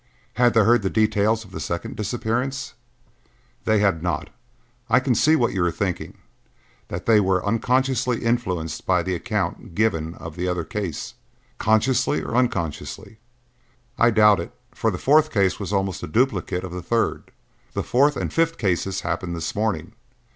"Had they heard the details of the second disappearance?" "They had not. I can see what you are thinking; that they were unconsciously influenced by the account given of the other case." "Consciously or unconsciously." "I doubt it, for the fourth case was almost a duplicate of the third. The fourth and fifth cases happened this morning.